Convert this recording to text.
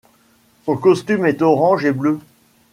Son costume est orange et bleu.